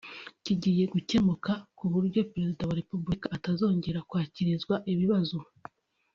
kigiye gukemuka ku buryo Perezida wa Repubulika atazongera kwakirizwa ibibazo